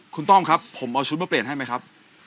คุณต้อมครับผมเอาชุดมาเปลี่ยนให้ไหมครับ